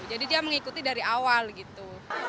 jadi dia mengikuti dari awal gitu